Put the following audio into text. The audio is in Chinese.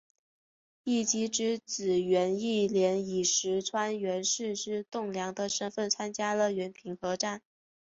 义基之子源义兼以石川源氏之栋梁的身份参加了源平合战。